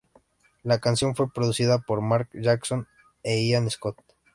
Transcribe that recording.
La canción fue producida por Mark Jackson e Ian Scott.